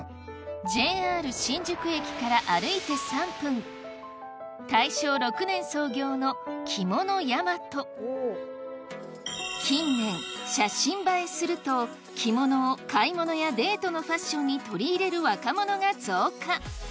ＪＲ新宿駅から歩いて３分近年「写真映えする」と着物を買い物やデートのファッションに取り入れる若者が増加